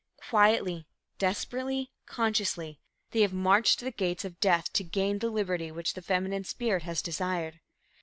Quietly, desperately, consciously, they have marched to the gates of death to gain the liberty which the feminine spirit has desired.